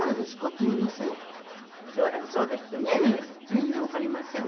全然わかりません